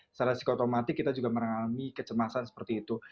secara psiko otomatik kita juga merangkami kecemasan seperti itu